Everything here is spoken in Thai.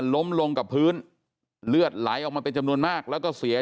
ล้มลงกับพื้นเลือดไหลออกมาเป็นจำนวนมากแล้วก็เสีย